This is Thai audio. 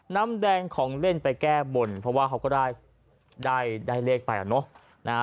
น้ำแดงของเล่นไปแก้บนเพราะว่าเขาก็ได้ได้เลขไปอ่ะเนอะนะฮะ